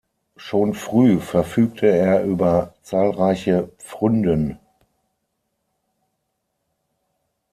Schon früh verfügte er über zahlreiche Pfründen.